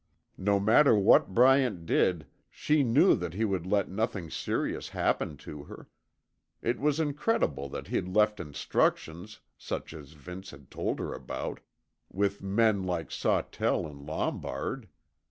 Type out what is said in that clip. No matter what Bryant did, she knew that he would let nothing serious happen to her. It was incredible that he'd left instructions, such as Vince had told her about, with men like Sawtell and Lombard.